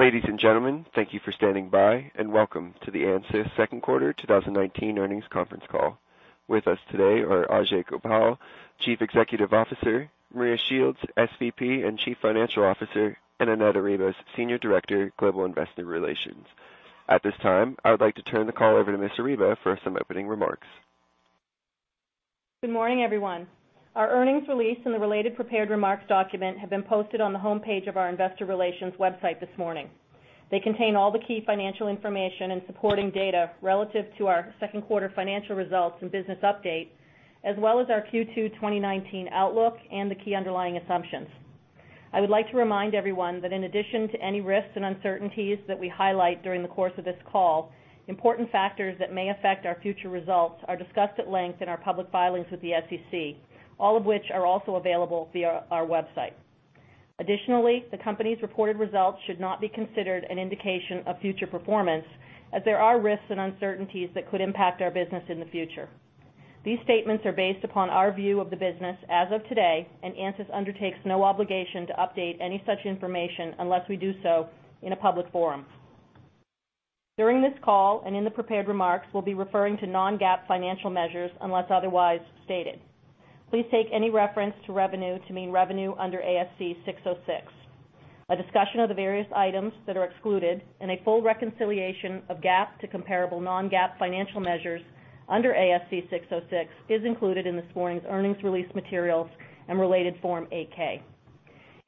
Ladies and gentlemen, thank you for standing by, and welcome to the ANSYS second quarter 2019 earnings conference call. With us today are Ajei Gopal, Chief Executive Officer, Maria Shields, SVP and Chief Financial Officer, and Annette Arribas, Senior Director, Global Investor Relations. At this time, I would like to turn the call over to Ms. Arribas for some opening remarks. Good morning, everyone. Our earnings release and the related prepared remarks document have been posted on the homepage of our investor relations website this morning. They contain all the key financial information and supporting data relative to our second quarter financial results and business update, as well as our Q2 2019 outlook and the key underlying assumptions. I would like to remind everyone that in addition to any risks and uncertainties that we highlight during the course of this call, important factors that may affect our future results are discussed at length in our public filings with the SEC, all of which are also available via our website. Additionally, the company's reported results should not be considered an indication of future performance, as there are risks and uncertainties that could impact our business in the future. These statements are based upon our view of the business as of today. ANSYS undertakes no obligation to update any such information unless we do so in a public forum. During this call and in the prepared remarks, we'll be referring to non-GAAP financial measures, unless otherwise stated. Please take any reference to revenue to mean revenue under ASC 606. A discussion of the various items that are excluded and a full reconciliation of GAAP to comparable non-GAAP financial measures under ASC 606 is included in this morning's earnings release materials and related Form 8-K.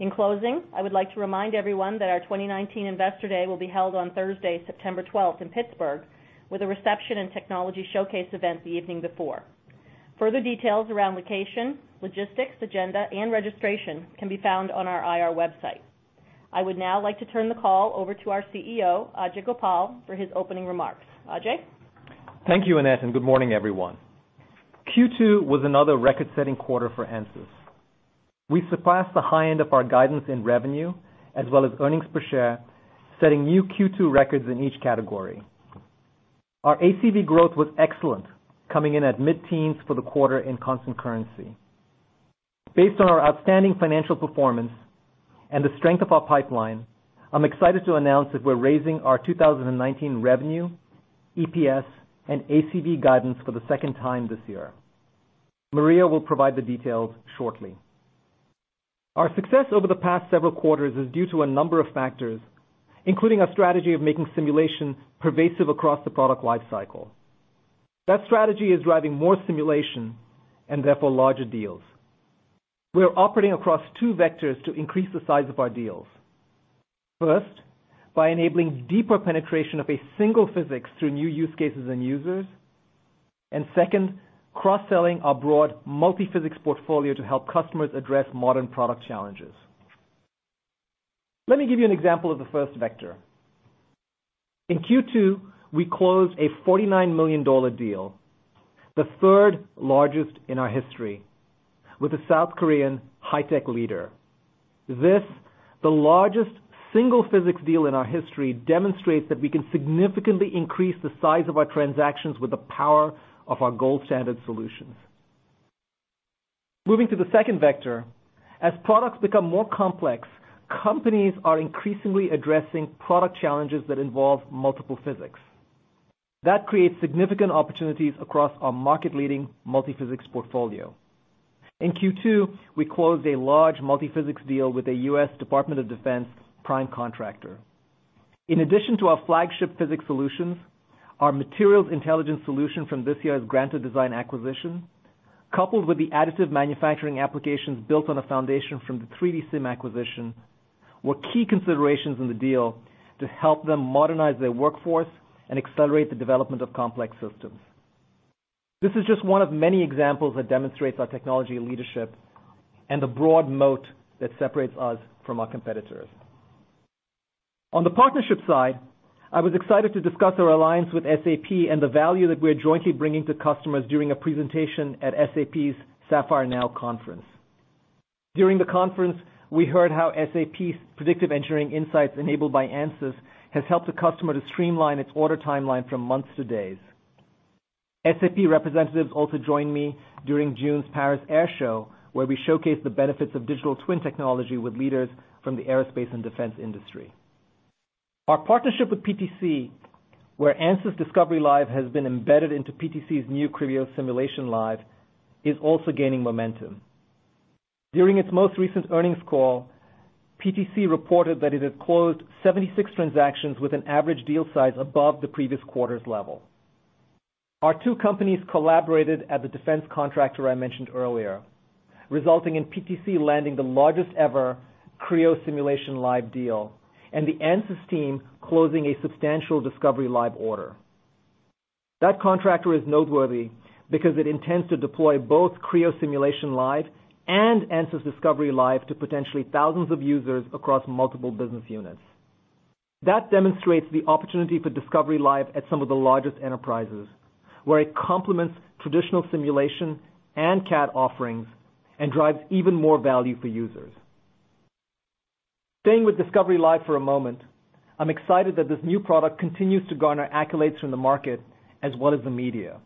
In closing, I would like to remind everyone that our 2019 Investor Day will be held on Thursday, September 12th in Pittsburgh with a reception and technology showcase event the evening before. Further details around location, logistics, agenda, and registration can be found on our IR website. I would now like to turn the call over to our CEO, Ajei Gopal, for his opening remarks. Ajei? Thank you, Annette, good morning, everyone. Q2 was another record-setting quarter for ANSYS. We surpassed the high end of our guidance in revenue as well as earnings per share, setting new Q2 records in each category. Our ACV growth was excellent, coming in at mid-teens for the quarter in constant currency. Based on our outstanding financial performance and the strength of our pipeline, I'm excited to announce that we're raising our 2019 revenue, EPS, and ACV guidance for the second time this year. Maria will provide the details shortly. Our success over the past several quarters is due to a number of factors, including our strategy of making simulation pervasive across the product life cycle. That strategy is driving more simulation and therefore larger deals. We're operating across two vectors to increase the size of our deals. First, by enabling deeper penetration of a single physics through new use cases and users, and second, cross-selling our broad multi-physics portfolio to help customers address modern product challenges. Let me give you an example of the first vector. In Q2, we closed a $49 million deal, the third-largest in our history, with a South Korean high-tech leader. This, the largest single physics deal in our history, demonstrates that we can significantly increase the size of our transactions with the power of our gold standard solutions. Moving to the second vector, as products become more complex, companies are increasingly addressing product challenges that involve multiple physics. That creates significant opportunities across our market-leading multi-physics portfolio. In Q2, we closed a large multi-physics deal with a U.S. Department of Defense prime contractor. In addition to our flagship physics solutions, our materials intelligence solution from this year's Granta Design acquisition, coupled with the additive manufacturing applications built on a foundation from the 3DSIM acquisition, were key considerations in the deal to help them modernize their workforce and accelerate the development of complex systems. This is just one of many examples that demonstrates our technology leadership and the broad moat that separates us from our competitors. On the partnership side, I was excited to discuss our alliance with SAP and the value that we're jointly bringing to customers during a presentation at SAP's SAPPHIRE NOW Conference. During the conference, we heard how SAP's predictive engineering insights enabled by ANSYS has helped a customer to streamline its order timeline from months to days. SAP representatives also joined me during June's Paris Air Show, where we showcased the benefits of digital twin technology with leaders from the aerospace and defense industry. Our partnership with PTC, where ANSYS Discovery Live has been embedded into PTC's new Creo Simulation Live, is also gaining momentum. During its most recent earnings call, PTC reported that it had closed 76 transactions with an average deal size above the previous quarter's level. Our two companies collaborated at the defense contractor I mentioned earlier, resulting in PTC landing the largest ever Creo Simulation Live deal and the ANSYS team closing a substantial Discovery Live order. That contractor is noteworthy because it intends to deploy both Creo Simulation Live and ANSYS Discovery Live to potentially thousands of users across multiple business units. That demonstrates the opportunity for ANSYS Discovery Live at some of the largest enterprises, where it complements traditional simulation and CAD offerings and drives even more value for users. Staying with ANSYS Discovery Live for a moment, I'm excited that this new product continues to garner accolades from the market as well as the media.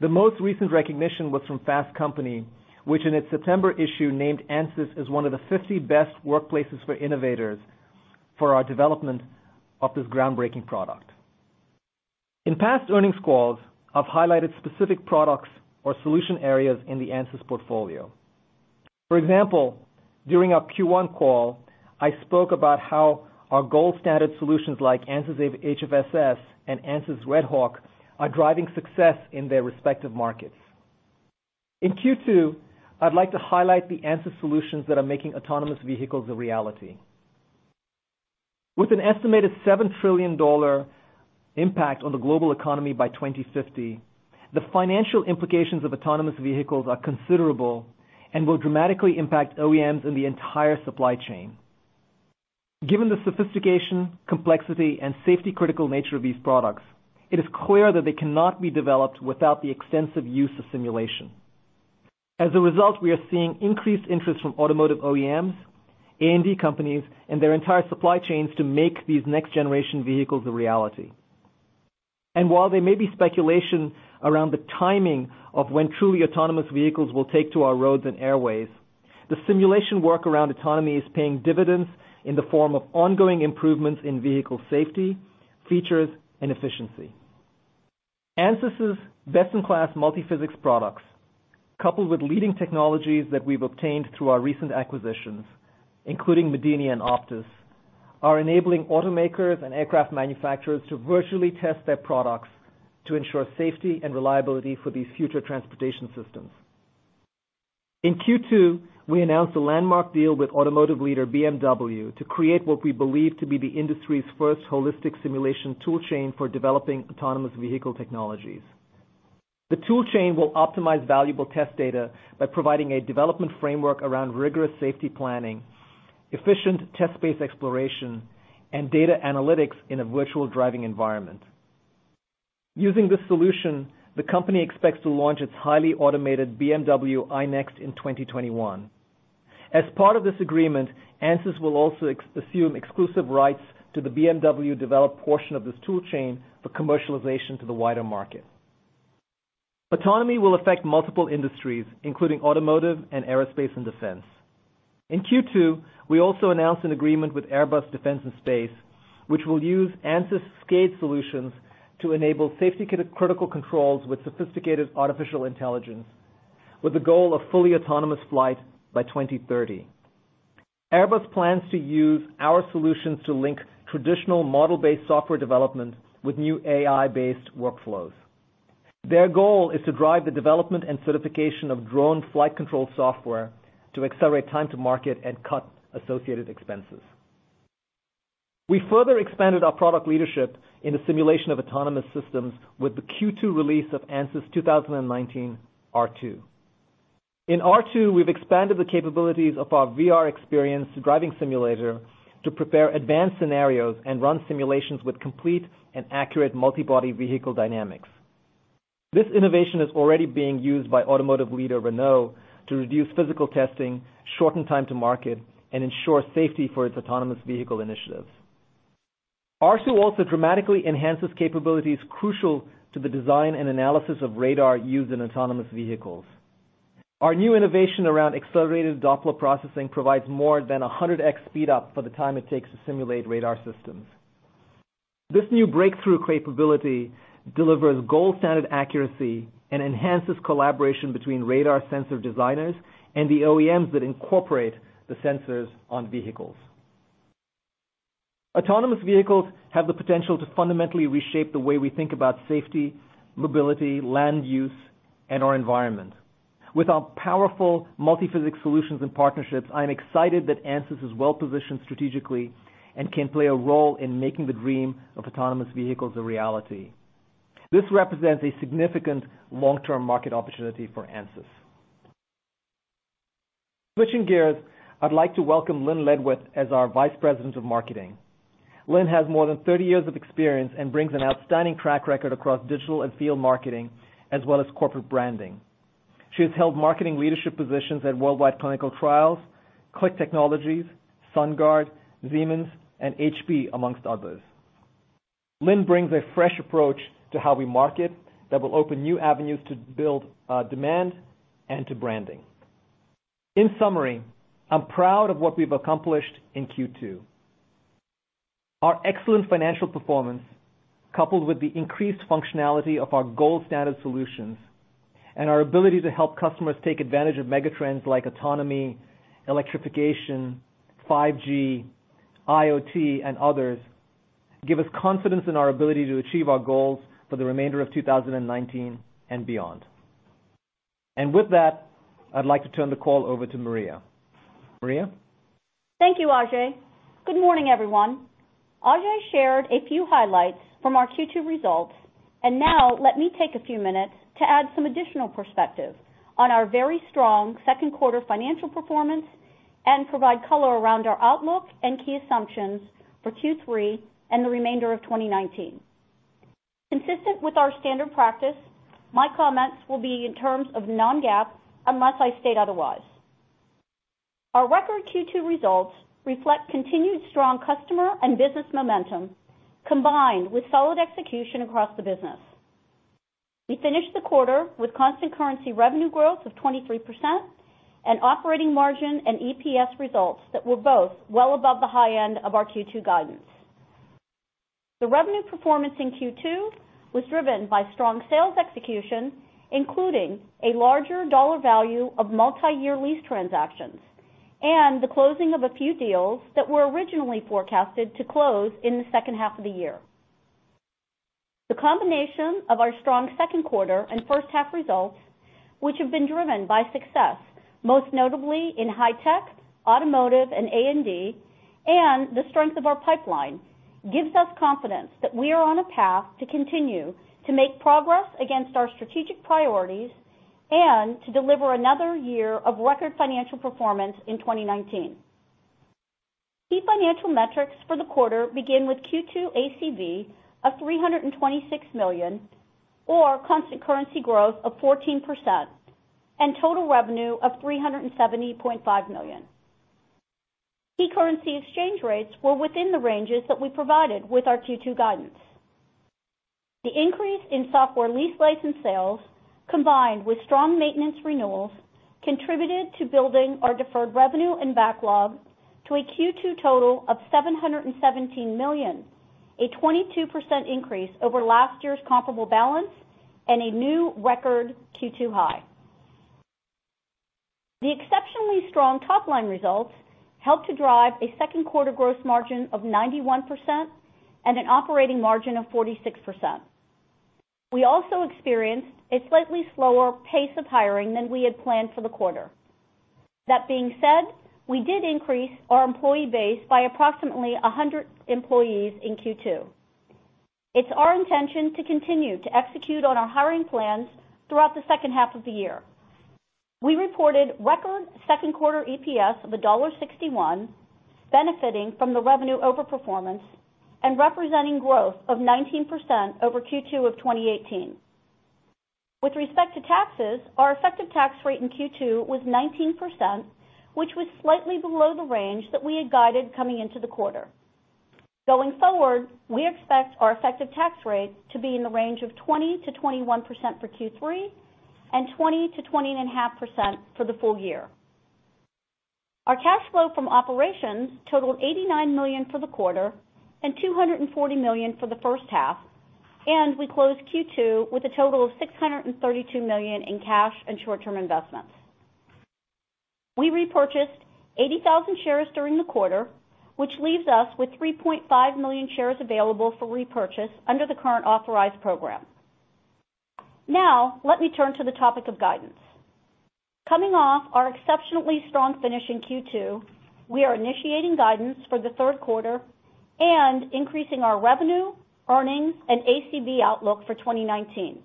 The most recent recognition was from Fast Company, which in its September issue, named ANSYS as one of the 50 best workplaces for innovators for our development of this groundbreaking product. In past earnings calls, I've highlighted specific products or solution areas in the ANSYS portfolio. For example, during our Q1 call, I spoke about how our gold-standard solutions like ANSYS HFSS and ANSYS RedHawk are driving success in their respective markets. In Q2, I'd like to highlight the ANSYS solutions that are making autonomous vehicles a reality. With an estimated $7 trillion impact on the global economy by 2050, the financial implications of autonomous vehicles are considerable and will dramatically impact OEMs in the entire supply chain. Given the sophistication, complexity, and safety-critical nature of these products, it is clear that they cannot be developed without the extensive use of simulation. As a result, we are seeing increased interest from automotive OEMs, A&D companies, and their entire supply chains to make these next-generation vehicles a reality. While there may be speculation around the timing of when truly autonomous vehicles will take to our roads and airways, the simulation work around autonomy is paying dividends in the form of ongoing improvements in vehicle safety, features, and efficiency. ANSYS' best-in-class multi-physics products, coupled with leading technologies that we've obtained through our recent acquisitions, including medini and OPTIS, are enabling automakers and aircraft manufacturers to virtually test their products to ensure safety and reliability for these future transportation systems. In Q2, we announced a landmark deal with automotive leader BMW to create what we believe to be the industry's first holistic simulation tool chain for developing autonomous vehicle technologies. The tool chain will optimize valuable test data by providing a development framework around rigorous safety planning, efficient test-based exploration, and data analytics in a virtual driving environment. Using this solution, the company expects to launch its highly automated BMW iNEXT in 2021. As part of this agreement, ANSYS will also assume exclusive rights to the BMW-developed portion of this tool chain for commercialization to the wider market. Autonomy will affect multiple industries, including automotive and aerospace and defense. In Q2, we also announced an agreement with Airbus Defence and Space, which will use ANSYS SCADE solutions to enable safety-critical controls with sophisticated artificial intelligence, with the goal of fully autonomous flight by 2030. Airbus plans to use our solutions to link traditional model-based software development with new AI-based workflows. Their goal is to drive the development and certification of drone flight control software to accelerate time to market and cut associated expenses. We further expanded our product leadership in the simulation of autonomous systems with the Q2 release of Ansys 2019 R2. In R2, we've expanded the capabilities of our VRXPERIENCE driving simulator to prepare advanced scenarios and run simulations with complete and accurate multi-body vehicle dynamics. This innovation is already being used by automotive leader Renault to reduce physical testing, shorten time to market, and ensure safety for its autonomous vehicle initiatives. R2 also dramatically enhances capabilities crucial to the design and analysis of radar used in autonomous vehicles. Our new innovation around accelerated Doppler processing provides more than 100X speed-up for the time it takes to simulate radar systems. This new breakthrough capability delivers gold-standard accuracy and enhances collaboration between radar sensor designers and the OEMs that incorporate the sensors on vehicles. Autonomous vehicles have the potential to fundamentally reshape the way we think about safety, mobility, land use, and our environment. With our powerful multi-physics solutions and partnerships, I am excited that ANSYS is well-positioned strategically and can play a role in making the dream of autonomous vehicles a reality. This represents a significant long-term market opportunity for ANSYS. Switching gears, I'd like to welcome Lynn Ledwith as our Vice President of Marketing. Lynn has more than 30 years of experience and brings an outstanding track record across digital and field marketing, as well as corporate branding. She has held marketing leadership positions at Worldwide Clinical Trials, Qlik Technologies, SunGard, Siemens, and HP, amongst others. Lynn brings a fresh approach to how we market that will open new avenues to build demand and to branding. In summary, I'm proud of what we've accomplished in Q2. Our excellent financial performance, coupled with the increased functionality of our gold standard solutions, and our ability to help customers take advantage of megatrends like autonomy, electrification, 5G, IoT, and others, give us confidence in our ability to achieve our goals for the remainder of 2019 and beyond. With that, I'd like to turn the call over to Maria. Maria? Thank you, Ajei. Good morning, everyone. Ajei shared a few highlights from our Q2 results, and now let me take a few minutes to add some additional perspective on our very strong second quarter financial performance and provide color around our outlook and key assumptions for Q3 and the remainder of 2019. Consistent with our standard practice, my comments will be in terms of non-GAAP, unless I state otherwise. Our record Q2 results reflect continued strong customer and business momentum, combined with solid execution across the business. We finished the quarter with constant currency revenue growth of 23% and operating margin and EPS results that were both well above the high end of the Q2 guidance. The revenue performance in Q2 was driven by strong sales execution, including a larger dollar value of multi-year lease transactions and the closing of a few deals that were originally forecasted to close in the second half of the year. The combination of our strong second quarter and first half results, which have been driven by success, most notably in high tech, automotive, and A&D, and the strength of our pipeline, gives us confidence that we are on a path to continue to make progress against our strategic priorities and to deliver another year of record financial performance in 2019. Key financial metrics for the quarter begin with Q2 ACV of $326 million, or constant currency growth of 14%, and total revenue of $370.5 million. Key currency exchange rates were within the ranges that we provided with our Q2 guidance. The increase in software lease license sales, combined with strong maintenance renewals, contributed to building our deferred revenue and backlog to a Q2 total of $717 million, a 22% increase over last year's comparable balance, and a new record Q2 high. The exceptionally strong top-line results helped to drive a second quarter gross margin of 91% and an operating margin of 46%. We also experienced a slightly slower pace of hiring than we had planned for the quarter. That being said, we did increase our employee base by approximately 100 employees in Q2. It's our intention to continue to execute on our hiring plans throughout the second half of the year. We reported record second quarter EPS of $1.61, benefiting from the revenue over-performance and representing growth of 19% over Q2 of 2018. With respect to taxes, our effective tax rate in Q2 was 19%, which was slightly below the range that we had guided coming into the quarter. Going forward, we expect our effective tax rate to be in the range of 20%-21% for Q3 and 20%-20.5% for the full year. Our cash flow from operations totaled $89 million for the quarter and $240 million for the first half, and we closed Q2 with a total of $632 million in cash and short-term investments. We repurchased 80,000 shares during the quarter, which leaves us with 3.5 million shares available for repurchase under the current authorized program. Now, let me turn to the topic of guidance. Coming off our exceptionally strong finish in Q2, we are initiating guidance for the third quarter and increasing our revenue, earnings, and ACV outlook for 2019.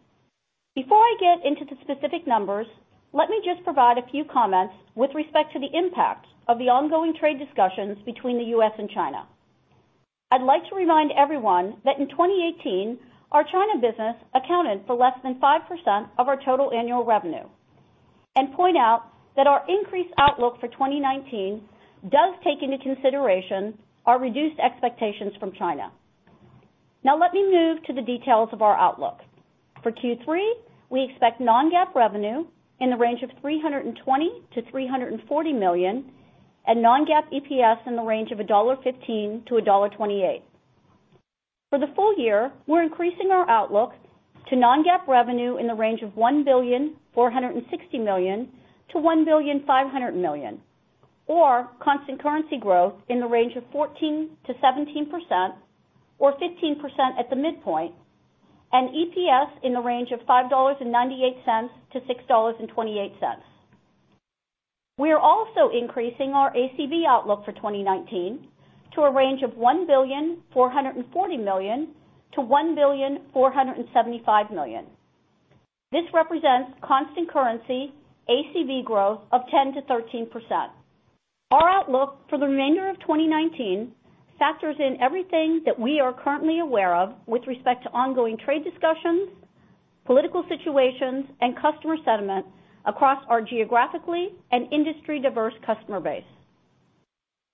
Before I get into the specific numbers, let me just provide a few comments with respect to the impact of the ongoing trade discussions between the U.S. and China. I'd like to remind everyone that in 2018, our China business accounted for less than 5% of our total annual revenue, and point out that our increased outlook for 2019 does take into consideration our reduced expectations from China. Let me move to the details of our outlook. For Q3, we expect non-GAAP revenue in the range of $320 million-$340 million and non-GAAP EPS in the range of $1.15-$1.28. For the full year, we're increasing our outlook to non-GAAP revenue in the range of $1.46 billion-$1.50 billion, or constant currency growth in the range of 14%-17%, or 15% at the midpoint, and EPS in the range of $5.98 to $6.28. We are also increasing our ACV outlook for 2019 to a range of $1.44 billion-$1.475 billion. This represents constant currency ACV growth of 10%-13%. Our outlook for the remainder of 2019 factors in everything that we are currently aware of with respect to ongoing trade discussions, political situations, and customer sentiment across our geographically and industry-diverse customer base.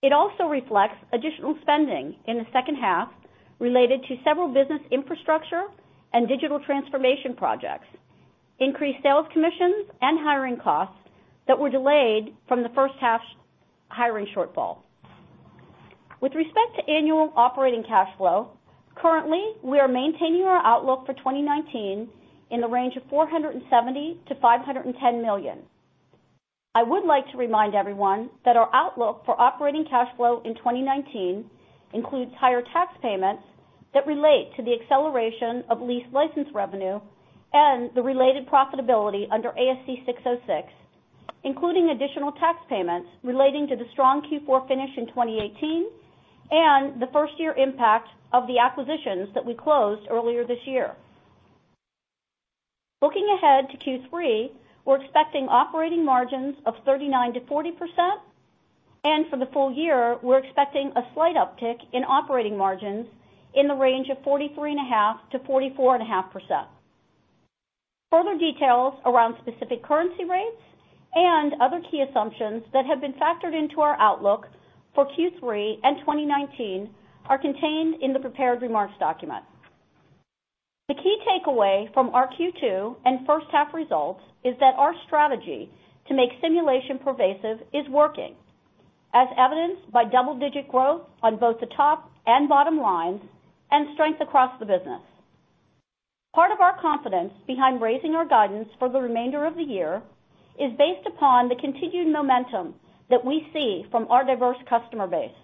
It also reflects additional spending in the second half related to several business infrastructure and digital transformation projects, increased sales commissions, and hiring costs that were delayed from the first half's hiring shortfall. With respect to annual operating cash flow, currently, we are maintaining our outlook for 2019 in the range of $470 million-$510 million. I would like to remind everyone that our outlook for operating cash flow in 2019 includes higher tax payments that relate to the acceleration of lease license revenue and the related profitability under ASC 606, including additional tax payments relating to the strong Q4 finish in 2018 and the first-year impact of the acquisitions that we closed earlier this year. Looking ahead to Q3, we're expecting operating margins of 39%-40%, and for the full year, we're expecting a slight uptick in operating margins in the range of 43.5%-44.5%. Further details around specific currency rates and other key assumptions that have been factored into our outlook for Q3 and 2019 are contained in the prepared remarks document. The key takeaway from our Q2 and first-half results is that our strategy to make simulation pervasive is working, as evidenced by double-digit growth on both the top and bottom lines and strength across the business. Part of our confidence behind raising our guidance for the remainder of the year is based upon the continued momentum that we see from our diverse customer base.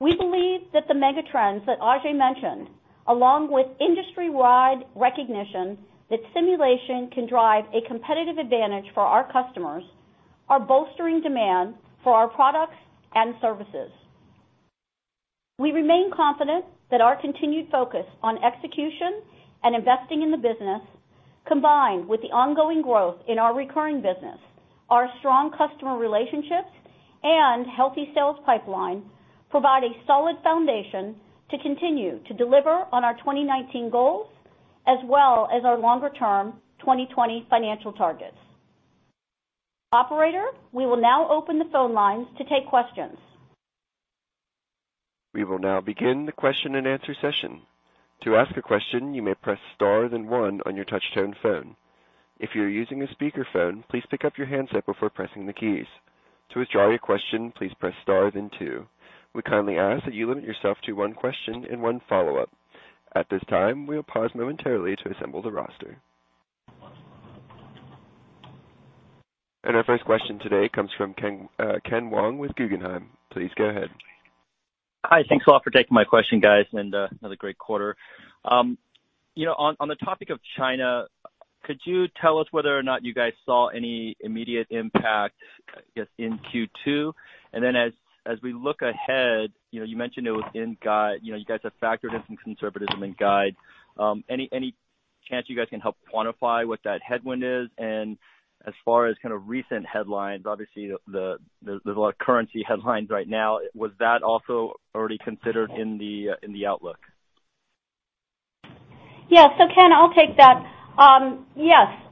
We believe that the mega trends that Ajei mentioned, along with industry-wide recognition that simulation can drive a competitive advantage for our customers, are bolstering demand for our products and services. We remain confident that our continued focus on execution and investing in the business, combined with the ongoing growth in our recurring business, our strong customer relationships, and healthy sales pipeline, provide a solid foundation to continue to deliver on our 2019 goals, as well as our longer-term 2020 financial targets. Operator, we will now open the phone lines to take questions. We will now begin the question and answer session. To ask a question, you may press star then one on your touch-tone phone. If you're using a speakerphone, please pick up your handset before pressing the keys. To withdraw your question, please press star then two. We kindly ask that you limit yourself to one question and one follow-up. At this time, we'll pause momentarily to assemble the roster. Our first question today comes from Ken Wong with Guggenheim. Please go ahead. Hi. Thanks a lot for taking my question, guys. Another great quarter. On the topic of China, could you tell us whether or not you guys saw any immediate impact, I guess, in Q2? As we look ahead, you mentioned you guys have factored in some conservatism in guide. Any chance you guys can help quantify what that headwind is? As far as kind of recent headlines, obviously, there's a lot of currency headlines right now. Was that also already considered in the outlook? Ken, I'll take that. Yes.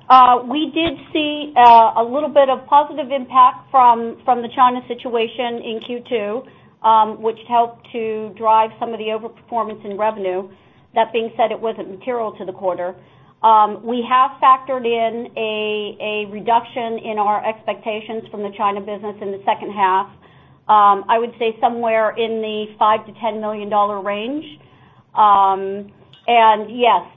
We did see a little bit of positive impact from the China situation in Q2, which helped to drive some of the over-performance in revenue. That being said, it wasn't material to the quarter. We have factored in a reduction in our expectations from the China business in the second half. I would say somewhere in the $5 million-$10 million range. Yes,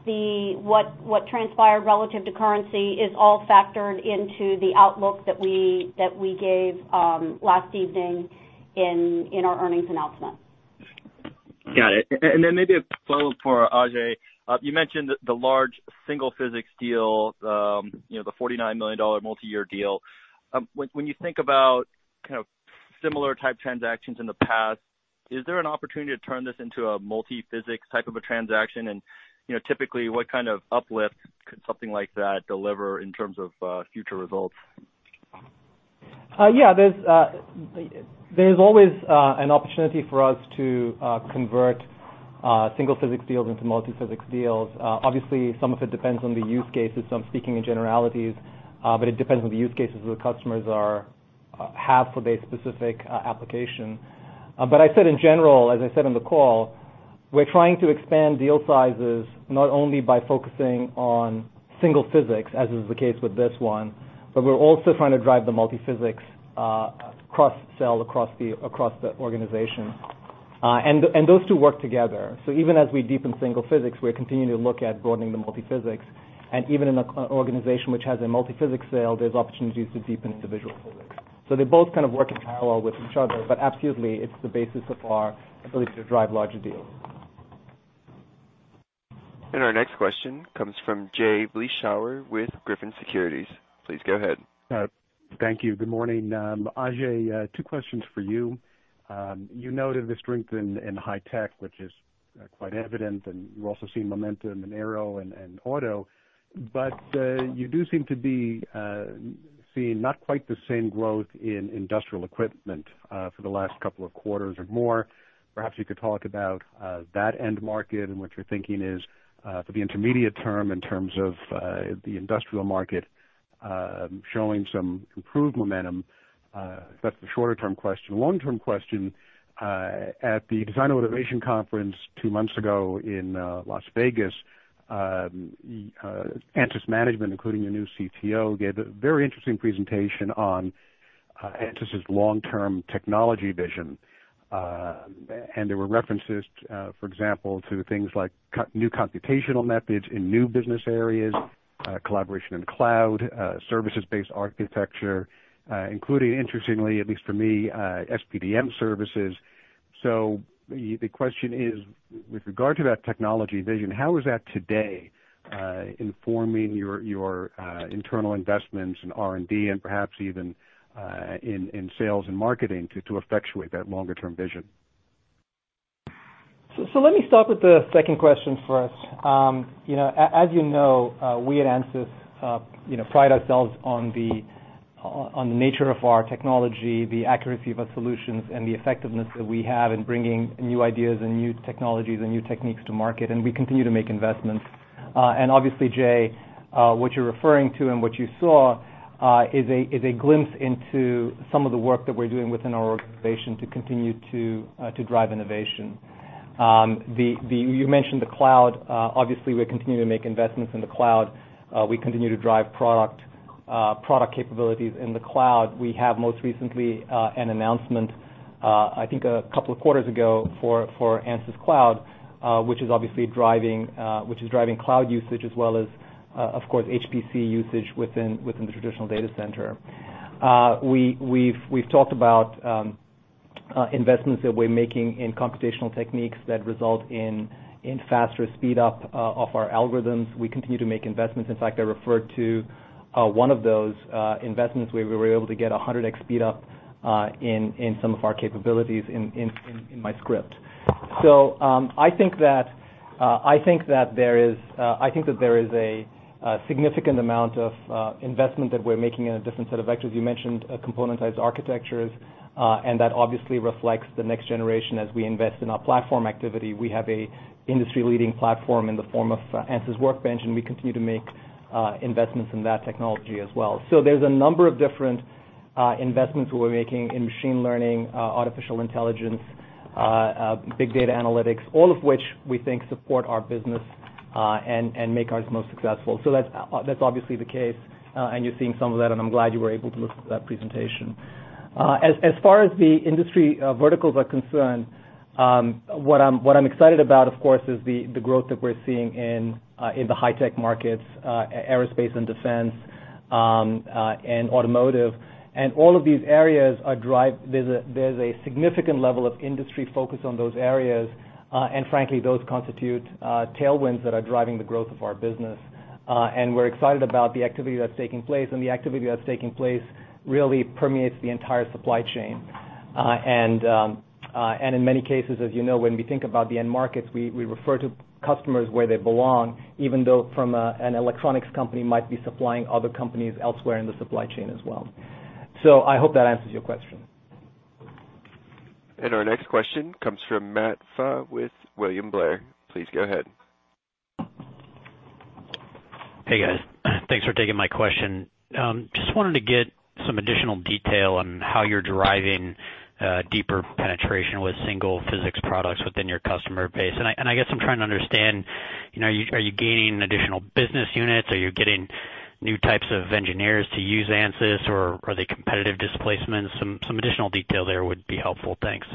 what transpired relative to currency is all factored into the outlook that we gave last evening in our earnings announcement. Got it. Maybe a follow-up for Ajei. You mentioned the large single physics deal, the $49 million multi-year deal. When you think about similar type transactions in the past, is there an opportunity to turn this into a multi-physics type of a transaction? Typically, what kind of uplift could something like that deliver in terms of future results? Yeah. There's always an opportunity for us to convert single physics deals into multi-physics deals. Some of it depends on the use cases. I'm speaking in generalities, it depends on the use cases where customers have for their specific application. I said in general, as I said on the call, we're trying to expand deal sizes, not only by focusing on single physics, as is the case with this one, we're also trying to drive the multi-physics cross-sell across the organization. Those two work together. Even as we deepen single physics, we're continuing to look at broadening the multi-physics. Even in an organization which has a multi-physics sale, there's opportunities to deepen into visual physics. They both kind of work in parallel with each other. Absolutely, it's the basis of our ability to drive larger deals. Our next question comes from Jay Vleeschhouwer with Griffin Securities. Please go ahead. Thank you. Good morning. Ajei, two questions for you. You noted the strength in high tech, which is quite evident, and you're also seeing momentum in aero and auto, but you do seem to be seeing not quite the same growth in industrial equipment for the last couple of quarters or more. Perhaps you could talk about that end market and what your thinking is for the intermediate term in terms of the industrial market showing some improved momentum. That's the shorter-term question. The longer-term question, at the Design Innovation Conference two months ago in Las Vegas, ANSYS management, including the new CTO, gave a very interesting presentation on ANSYS' long-term technology vision. There were references, for example, to things like new computational methods in new business areas, collaboration in cloud, services-based architecture, including, interestingly, at least for me, SPDM services. The question is, with regard to that technology vision, how is that today informing your internal investments in R&D and perhaps even in sales and marketing to effectuate that longer-term vision? Let me start with the second question first. As you know, we at ANSYS pride ourselves on the nature of our technology, the accuracy of our solutions, and the effectiveness that we have in bringing new ideas and new technologies and new techniques to market, and we continue to make investments. Obviously, Jay, what you're referring to and what you saw is a glimpse into some of the work that we're doing within our organization to continue to drive innovation. You mentioned the cloud. Obviously, we're continuing to make investments in the cloud. We continue to drive product capabilities in the cloud. We have most recently, an announcement, I think a couple of quarters ago for Ansys Cloud, which is driving cloud usage as well as, of course, HPC usage within the traditional data center. We've talked about investments that we're making in computational techniques that result in faster speedup of our algorithms. We continue to make investments. In fact, I referred to one of those investments where we were able to get 100x speedup in some of our capabilities in my script. I think that there is a significant amount of investment that we're making in a different set of vectors. You mentioned componentized architectures, and that obviously reflects the next generation as we invest in our platform activity. We have a industry-leading platform in the form of ANSYS Workbench, and we continue to make investments in that technology as well. There's a number of different investments we're making in machine learning, artificial intelligence, big data analytics, all of which we think support our business, and make ours most successful. That's obviously the case, and you're seeing some of that, and I'm glad you were able to look at that presentation. As far as the industry verticals are concerned, what I'm excited about, of course, is the growth that we're seeing in the high-tech markets, aerospace and defense, and automotive. There's a significant level of industry focus on those areas. Frankly, those constitute tailwinds that are driving the growth of our business. We're excited about the activity that's taking place, and the activity that's taking place really permeates the entire supply chain. In many cases, as you know, when we think about the end markets, we refer to customers where they belong, even though from an electronics company might be supplying other companies elsewhere in the supply chain as well. I hope that answers your question. Our next question comes from Matthew Pfau with William Blair. Please go ahead. Hey, guys. Thanks for taking my question. Just wanted to get some additional detail on how you're driving deeper penetration with single physics products within your customer base. I guess I'm trying to understand, are you gaining additional business units? Are you getting new types of engineers to use ANSYS, or are they competitive displacements? Some additional detail there would be helpful. Thanks.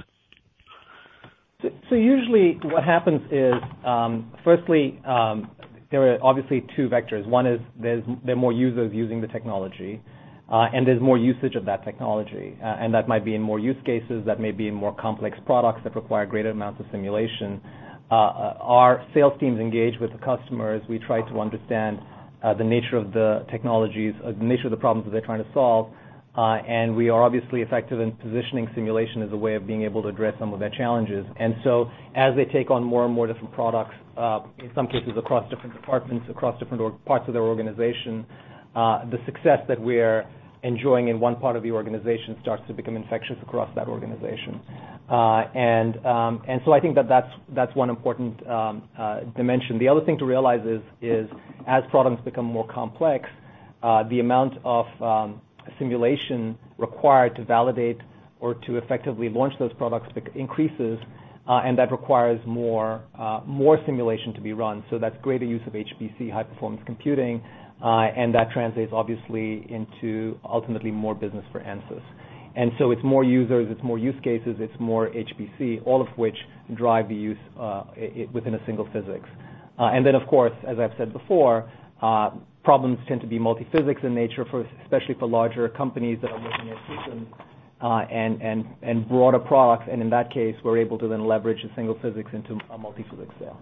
Usually what happens is, firstly, there are obviously two vectors. One is there's more users using the technology, and there's more usage of that technology. That might be in more use cases, that may be in more complex products that require greater amounts of simulation. Our sales teams engage with the customers. We try to understand the nature of the technologies, the nature of the problems that they're trying to solve. We are obviously effective in positioning simulation as a way of being able to address some of their challenges. As they take on more and more different products, in some cases across different departments, across different parts of their organization, the success that we're enjoying in one part of the organization starts to become infectious across that organization. I think that's one important dimension. The other thing to realize is as products become more complex, the amount of simulation required to validate or to effectively launch those products increases. That requires more simulation to be run. That's greater use of HPC, high-performance computing. That translates obviously into ultimately more business for ANSYS. It's more users, it's more use cases, it's more HPC, all of which drive the use within a single physics. Of course, as I've said before, problems tend to be multi-physics in nature, especially for larger companies that are looking at systems, and broader products. In that case, we're able to then leverage a single physics into a multi-physics sale.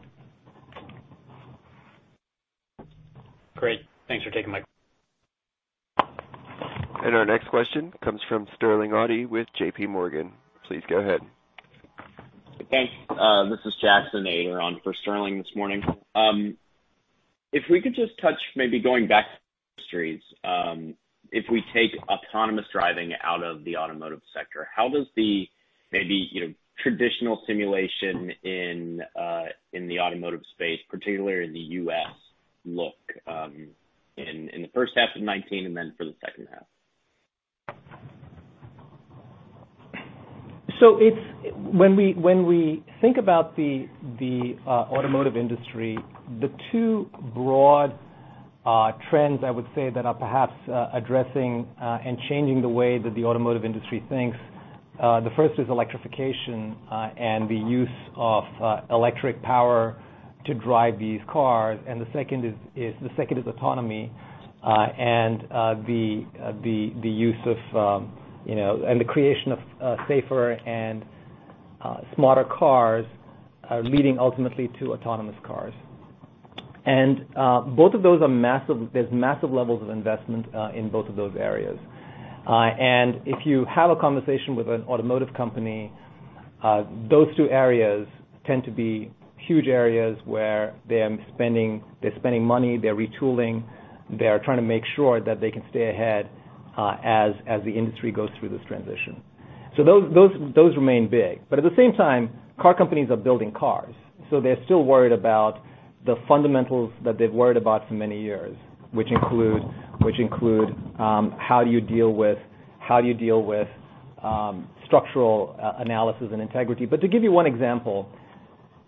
Great. Thanks for taking my Our next question comes from Sterling Auty with JPMorgan. Please go ahead. Thanks. This is Jackson Ader on for Sterling this morning. If we could just touch, maybe going back to industries, if we take autonomous driving out of the automotive sector, how does the maybe traditional simulation in the automotive space, particularly in the U.S., look in the first half of 2019 and then for the second half? When we think about the automotive industry, the two broad trends I would say that are perhaps addressing and changing the way that the automotive industry thinks, the first is electrification, and the use of electric power to drive these cars. The second is autonomy, and the use of and the creation of safer and smarter cars, leading ultimately to autonomous cars. Both of those are massive. There's massive levels of investment in both of those areas. If you have a conversation with an automotive company. Those two areas tend to be huge areas where they're spending money, they're retooling, they are trying to make sure that they can stay ahead as the industry goes through this transition. Those remain big. At the same time, car companies are building cars, so they're still worried about the fundamentals that they've worried about for many years, which include how do you deal with structural analysis and integrity. To give you one example,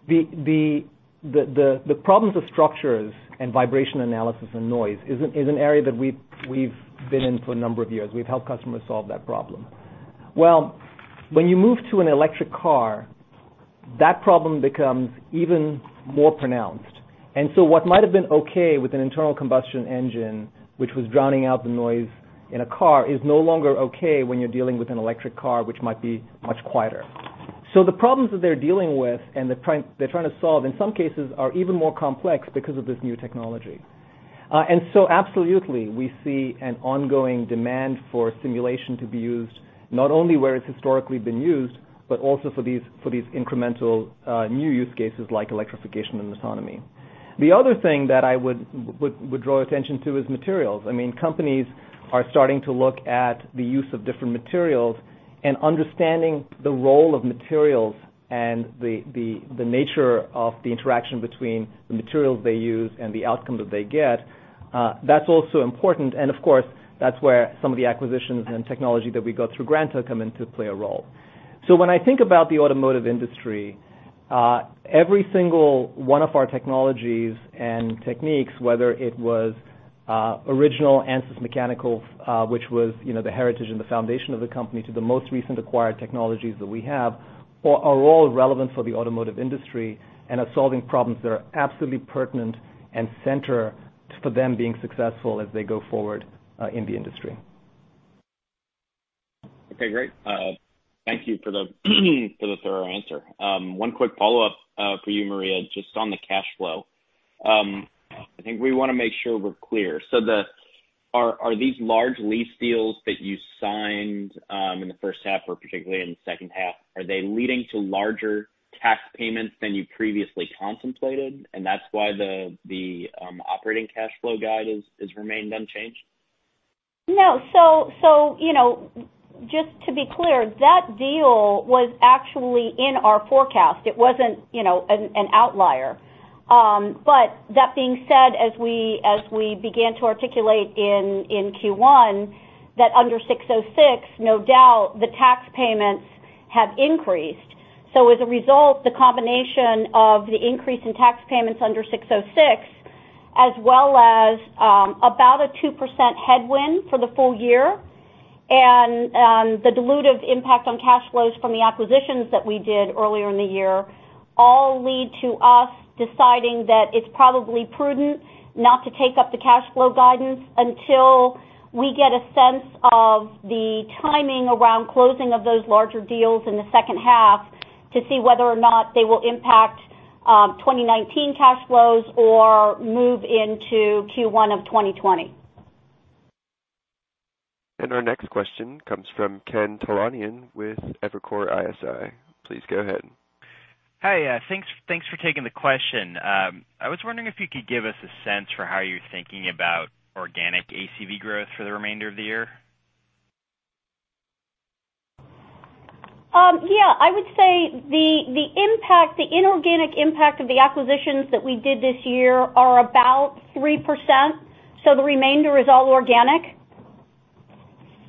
the problems with structures and vibration analysis and noise is an area that we've been in for a number of years. We've helped customers solve that problem. Well, when you move to an electric car, that problem becomes even more pronounced. What might have been okay with an internal combustion engine, which was drowning out the noise in a car, is no longer okay when you're dealing with an electric car, which might be much quieter. The problems that they're dealing with and they're trying to solve, in some cases, are even more complex because of this new technology. Absolutely, we see an ongoing demand for simulation to be used, not only where it's historically been used, but also for these incremental new use cases like electrification and autonomy. The other thing that I would draw attention to is materials. Companies are starting to look at the use of different materials and understanding the role of materials and the nature of the interaction between the materials they use and the outcome that they get. That's also important, and of course, that's where some of the acquisitions and technology that we got through Granta come in to play a role. When I think about the automotive industry, every single one of our technologies and techniques, whether it was original Ansys Mechanical, which was the heritage and the foundation of the company, to the most recent acquired technologies that we have, are all relevant for the automotive industry and are solving problems that are absolutely pertinent and center for them being successful as they go forward in the industry. Okay, great. Thank you for the thorough answer. One quick follow-up for you, Maria, just on the cash flow. I think we want to make sure we're clear. Are these large lease deals that you signed in the first half or particularly in the second half, are they leading to larger tax payments than you previously contemplated, and that's why the operating cash flow guide has remained unchanged? No. Just to be clear, that deal was actually in our forecast. It wasn't an outlier. That being said, as we began to articulate in Q1, that under 606, no doubt, the tax payments have increased. As a result, the combination of the increase in tax payments under 606, as well as about a 2% headwind for the full year, and the dilutive impact on cash flows from the acquisitions that we did earlier in the year, all lead to us deciding that it's probably prudent not to take up the cash flow guidance until we get a sense of the timing around closing of those larger deals in the second half to see whether or not they will impact 2019 cash flows or move into Q1 of 2020. Our next question comes from Ken Talanian with Evercore ISI. Please go ahead. Hi, thanks for taking the question. I was wondering if you could give us a sense for how you're thinking about organic ACV growth for the remainder of the year. Yeah, I would say the inorganic impact of the acquisitions that we did this year are about 3%. The remainder is all organic.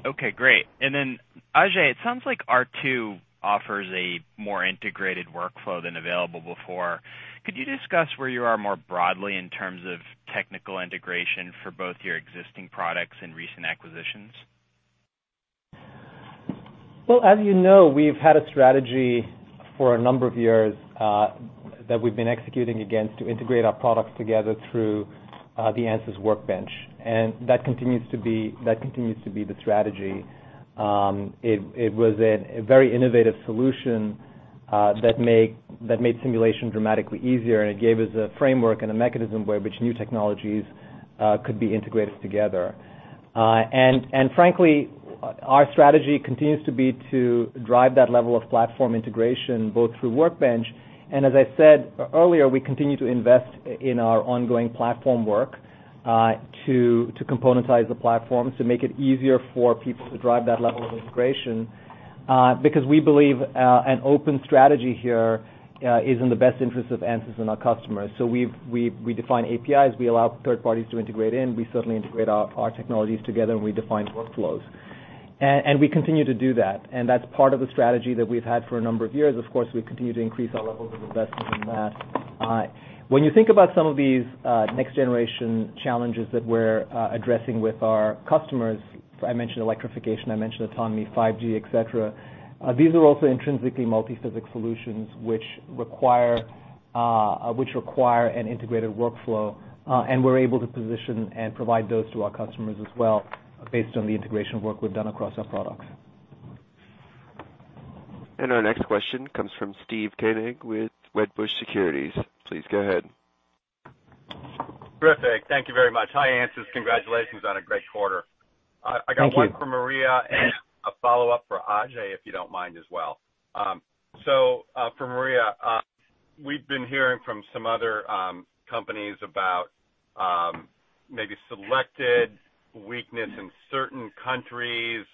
Okay, great. Ajei, it sounds like R2 offers a more integrated workflow than available before. Could you discuss where you are more broadly in terms of technical integration for both your existing products and recent acquisitions? Well, as you know, we've had a strategy for a number of years that we've been executing against to integrate our products together through the ANSYS Workbench. That continues to be the strategy. It was a very innovative solution that made simulation dramatically easier, and it gave us a framework and a mechanism by which new technologies could be integrated together. Frankly, our strategy continues to be to drive that level of platform integration, both through Workbench. As I said earlier, we continue to invest in our ongoing platform work to componentize the platforms, to make it easier for people to drive that level of integration, because we believe an open strategy here is in the best interest of ANSYS and our customers. We define APIs, we allow third parties to integrate in, we certainly integrate our technologies together, and we define workflows. We continue to do that, and that's part of the strategy that we've had for a number of years. Of course, we continue to increase our levels of investment in that. When you think about some of these next-generation challenges that we're addressing with our customers, I mentioned electrification, I mentioned autonomy, 5G, et cetera, these are also intrinsically multi-physic solutions which require an integrated workflow, and we're able to position and provide those to our customers as well based on the integration work we've done across our products. Our next question comes from Steve Koenig with Wedbush Securities. Please go ahead. Terrific. Thank you very much. Hi, ANSYS. Congratulations on a great quarter. Thank you. I got one for Maria and a follow-up for Ajei, if you don't mind as well. For Maria, we've been hearing from some other companies about maybe selected weakness in certain countries,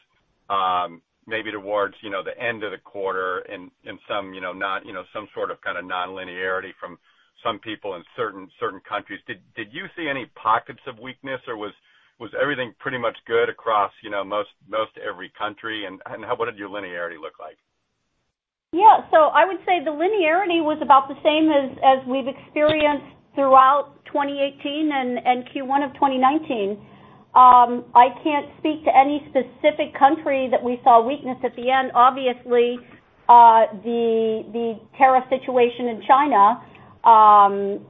maybe towards the end of the quarter, and some sort of non-linearity from some people in certain countries. Did you see any pockets of weakness, or was everything pretty much good across most every country, and what did your linearity look like? I would say the linearity was about the same as we've experienced throughout 2018 and Q1 of 2019. I can't speak to any specific country that we saw weakness at the end. Obviously, the tariff situation in China.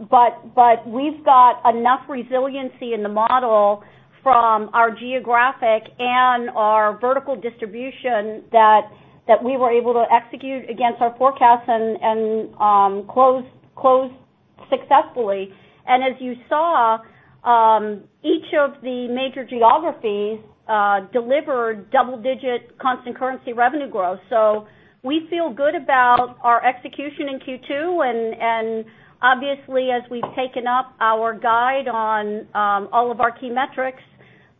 We've got enough resiliency in the model from our geographic and our vertical distribution that we were able to execute against our forecast and close successfully. As you saw, each of the major geographies delivered double-digit constant currency revenue growth. We feel good about our execution in Q2. Obviously, as we've taken up our guide on all of our key metrics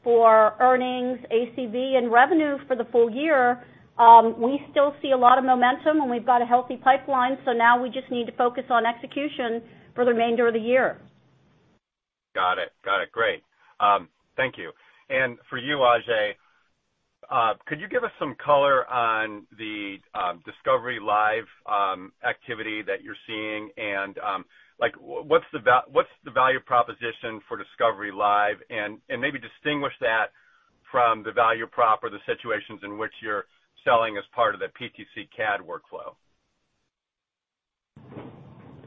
for earnings, ACV, and revenue for the full year, we still see a lot of momentum, and we've got a healthy pipeline. Now we just need to focus on execution for the remainder of the year. Got it. Great. Thank you. For you, Ajei, could you give us some color on the ANSYS Discovery Live activity that you're seeing, and what's the value proposition for ANSYS Discovery Live? Maybe distinguish that from the value prop or the situations in which you're selling as part of the PTC CAD workflow.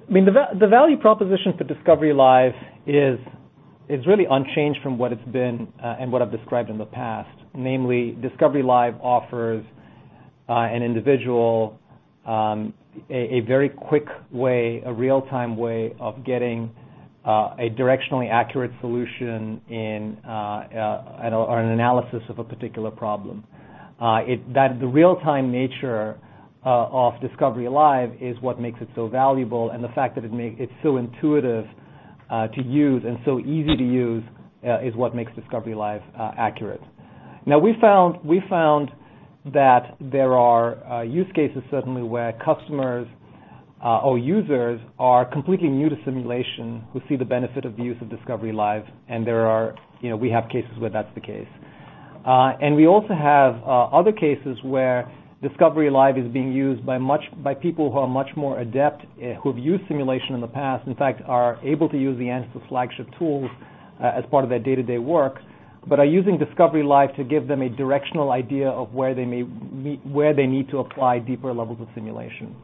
The value proposition for Discovery Live is really unchanged from what it's been and what I've described in the past. Namely, Discovery Live offers an individual a very quick way, a real-time way of getting a directionally accurate solution or an analysis of a particular problem. The real-time nature of Discovery Live is what makes it so valuable, and the fact that it's so intuitive to use and so easy to use is what makes Discovery Live accurate. We found that there are use cases, certainly, where customers or users are completely new to simulation who see the benefit of the use of Discovery Live, and we have cases where that's the case. We also have other cases where Discovery Live is being used by people who are much more adept, who have used simulation in the past, in fact, are able to use the ANSYS flagship tools as part of their day-to-day work, but are using Discovery Live to give them a directional idea of where they need to apply deeper levels of simulation.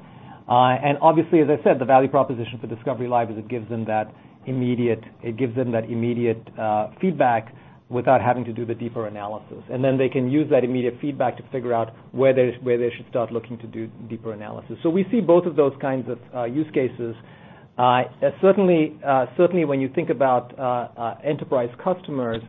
Obviously, as I said, the value proposition for Discovery Live is it gives them that immediate feedback without having to do the deeper analysis. Then they can use that immediate feedback to figure out where they should start looking to do deeper analysis. We see both of those kinds of use cases. Certainly, when you think about enterprise customers,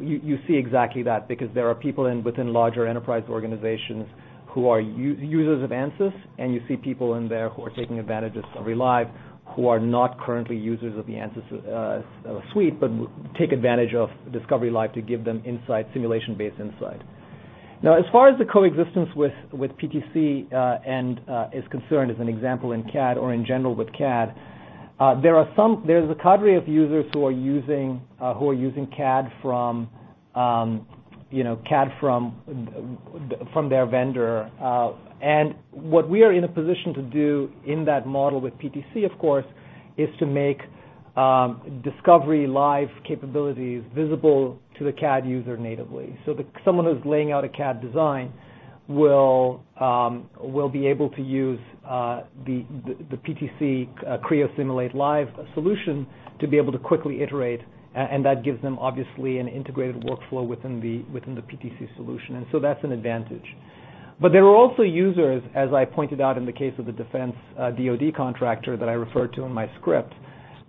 you see exactly that because there are people within larger enterprise organizations who are users of ANSYS, and you see people in there who are taking advantage of ANSYS Discovery Live who are not currently users of the ANSYS suite, but take advantage of ANSYS Discovery Live to give them simulation-based insight. Now, as far as the coexistence with PTC is concerned, as an example in CAD or in general with CAD, there's a cadre of users who are using CAD from their vendor. What we are in a position to do in that model with PTC, of course, is to make ANSYS Discovery Live capabilities visible to the CAD user natively. That someone who's laying out a CAD design will be able to use the PTC Creo Simulation Live solution to be able to quickly iterate, and that gives them, obviously, an integrated workflow within the PTC solution. That's an advantage. There are also users, as I pointed out in the case of the DoD contractor that I referred to in my script,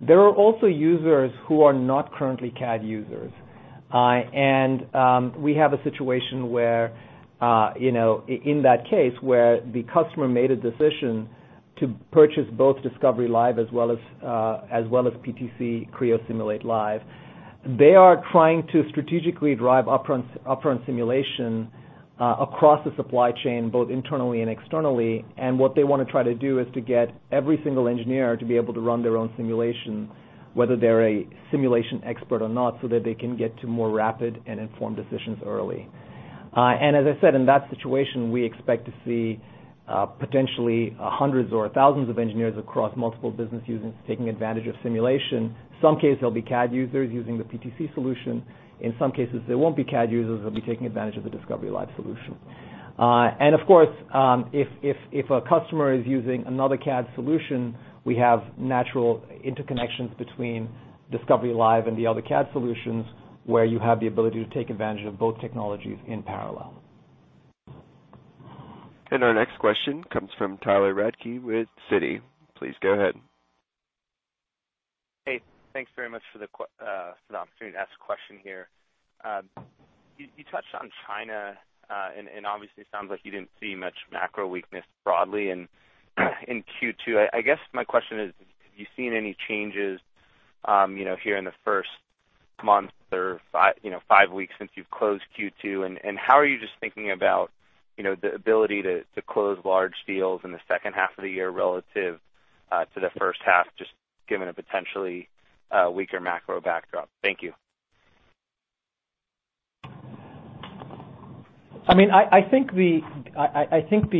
there are also users who are not currently CAD users. We have a situation where, in that case, where the customer made a decision to purchase both Discovery Live as well as PTC Creo Simulation Live. They are trying to strategically drive upfront simulation across the supply chain, both internally and externally. What they want to try to do is to get every single engineer to be able to run their own simulation, whether they're a simulation expert or not, so that they can get to more rapid and informed decisions early. As I said, in that situation, we expect to see potentially hundreds or thousands of engineers across multiple business units taking advantage of simulation. Some case, they'll be CAD users using the PTC solution. In some cases, they won't be CAD users, they'll be taking advantage of the Discovery Live solution. Of course, if a customer is using another CAD solution, we have natural interconnections between Discovery Live and the other CAD solutions, where you have the ability to take advantage of both technologies in parallel. Our next question comes from Tyler Radke with Citi. Please go ahead. Hey, thanks very much for the opportunity to ask a question here. You touched on China. Obviously it sounds like you didn't see much macro weakness broadly in Q2. I guess my question is, have you seen any changes here in the first month or five weeks since you've closed Q2? How are you just thinking about the ability to close large deals in the second half of the year relative to the first half, just given a potentially weaker macro backdrop? Thank you. I think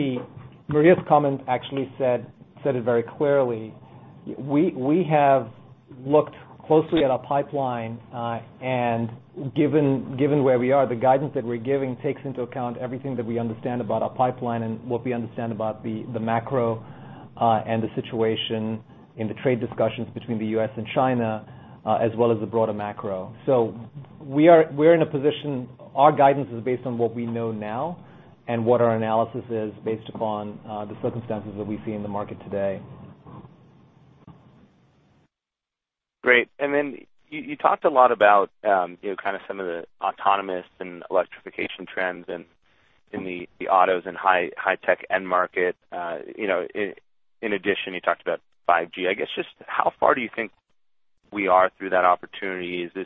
Maria's comment actually said it very clearly. We have looked closely at our pipeline, and given where we are, the guidance that we're giving takes into account everything that we understand about our pipeline and what we understand about the macro and the situation in the trade discussions between the U.S. and China, as well as the broader macro. We're in a position. Our guidance is based on what we know now and what our analysis is based upon the circumstances that we see in the market today. Great. Then you talked a lot about some of the autonomous and electrification trends in the autos and high-tech end market. In addition, you talked about 5G. I guess, just how far do you think we are through that opportunity? Is this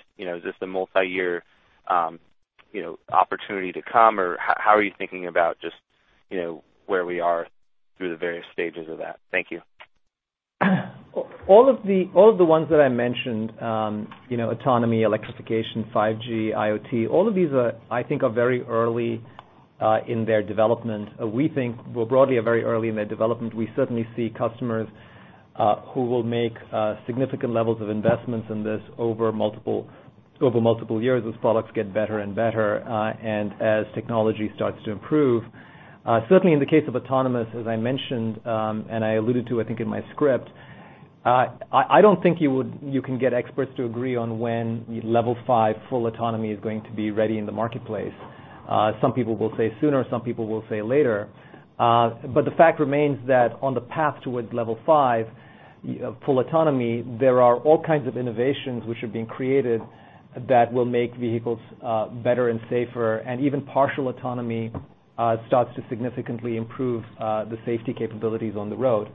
a multi-year opportunity to come? How are you thinking about just where we are through the various stages of that? Thank you. All of the ones that I mentioned, autonomy, electrification, 5G, IoT, all of these, I think are very early in their development. We think we're broadly very early in their development. We certainly see customers who will make significant levels of investments in this over multiple years as products get better and better and as technology starts to improve. Certainly in the case of autonomous, as I mentioned, and I alluded to, I think, in my script, I don't think you can get experts to agree on when level 5 full autonomy is going to be ready in the marketplace. Some people will say sooner, some people will say later. The fact remains that on the path towards level 5 full autonomy, there are all kinds of innovations which are being created that will make vehicles better and safer, and even partial autonomy starts to significantly improve the safety capabilities on the road.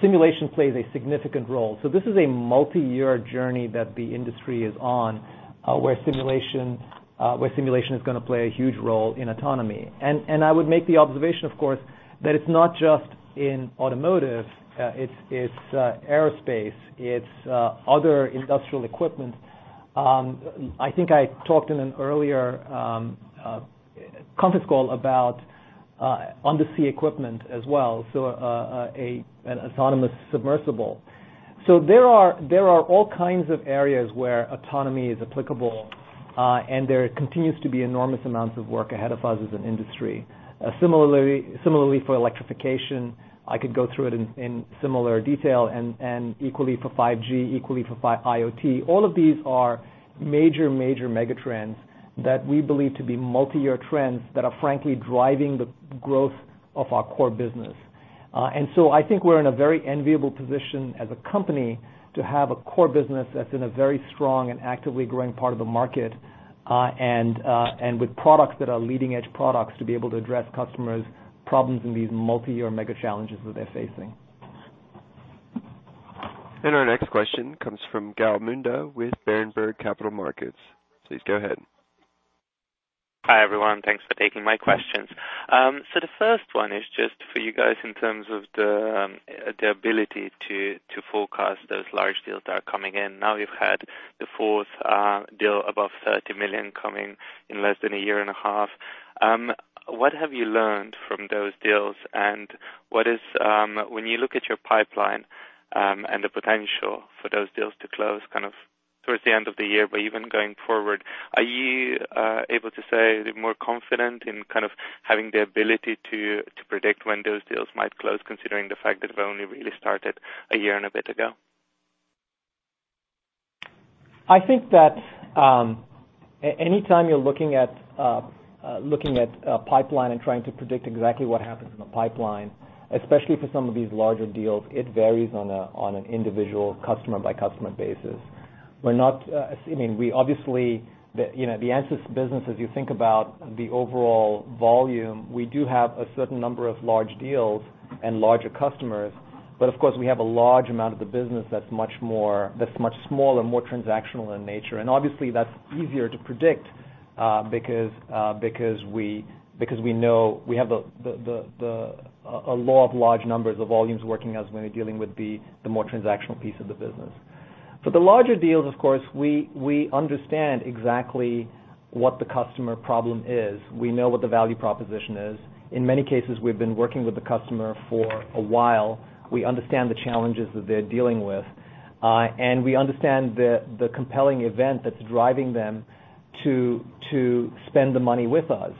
Simulation plays a significant role. This is a multi-year journey that the industry is on, where simulation is going to play a huge role in autonomy. I would make the observation, of course, that it's not just in automotive. It's aerospace, it's other industrial equipment. I think I talked in an earlier conference call about undersea equipment as well, so an autonomous submersible. There are all kinds of areas where autonomy is applicable, and there continues to be enormous amounts of work ahead of us as an industry. Similarly for electrification, I could go through it in similar detail, equally for 5G, equally for IoT. All of these are major mega trends that we believe to be multi-year trends that are frankly driving the growth of our core business. I think we're in a very enviable position as a company to have a core business that's in a very strong and actively growing part of the market, with products that are leading-edge products to be able to address customers' problems in these multi-year mega challenges that they're facing. Our next question comes from Gal Munda with Berenberg Capital Markets. Please go ahead. Hi, everyone. Thanks for taking my questions. The first one is just for you guys in terms of the ability to forecast those large deals that are coming in. Now you've had the fourth deal above $30 million coming in less than a year and a half. What have you learned from those deals? When you look at your pipeline and the potential for those deals to close towards the end of the year, but even going forward, are you able to say you're more confident in having the ability to predict when those deals might close, considering the fact that we've only really started a year and a bit ago? I think that any time you're looking at a pipeline and trying to predict exactly what happens in the pipeline, especially for some of these larger deals, it varies on an individual customer-by-customer basis. The ANSYS business, as you think about the overall volume, we do have a certain number of large deals and larger customers. Of course, we have a large amount of the business that's much smaller, more transactional in nature. Obviously that's easier to predict because we have a law of large numbers of volumes working as when you're dealing with the more transactional piece of the business. For the larger deals, of course, we understand exactly what the customer problem is. We know what the value proposition is. In many cases, we've been working with the customer for a while. We understand the challenges that they're dealing with. We understand the compelling event that's driving them to spend the money with us.